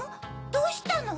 どうしたの？